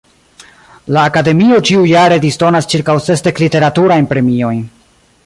La Akademio ĉiujare disdonas ĉirkaŭ sesdek literaturajn premiojn.